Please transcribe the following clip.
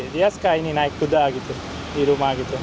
dia suka ini naik kuda gitu di rumah gitu